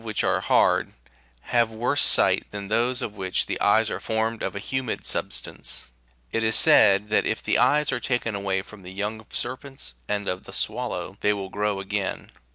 Those animals, however, the eyes of which are hard, have worse sight than those of which the eyes are formed of a humid substance. It is said that if the eyes are taken away from the young of serpents and of the swallow,5 they will grow again.